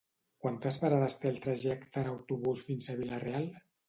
Quantes parades té el trajecte en autobús fins a Vila-real?